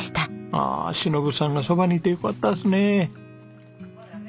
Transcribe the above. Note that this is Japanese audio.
ああ忍さんが側にいてよかったですね。